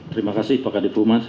terima kasih pakadipu mas